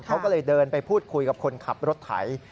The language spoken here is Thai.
เขาก็เลยเดินไปพูดคุยกับคนขับรถไถ